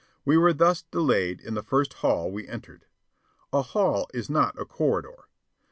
We were thus delayed in the first "hall" we entered. A "hall" is not a corridor.